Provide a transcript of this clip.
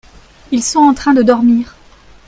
ils sont en train de dormir.